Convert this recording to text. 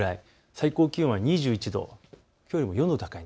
最高気温２１度、きょうよりも４度高い。